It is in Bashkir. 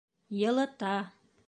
Йылыта